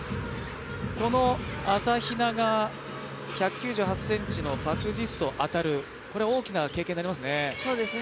この朝比奈が１９８ｃｍのパク・ジスと当たるこれは大きな経験になりますね。